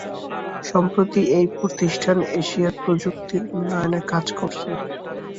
সম্প্রতি এই প্রতিষ্ঠান এশিয়ার প্রযুক্তি উন্নয়নে কাজ করছে।